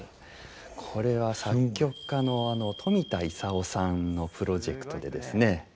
これは作曲家の冨田勲さんのプロジェクトでですね